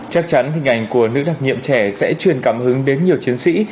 chắc chắn hình ảnh của nữ đặc nhiệm trẻ sẽ truyền cảm hứng đến nhiều chiến sĩ